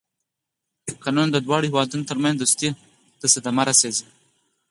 کنه نو د دواړو هېوادونو ترمنځ دوستۍ ته صدمه رسېږي.